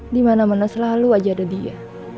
di mana mana selalu aja ada dia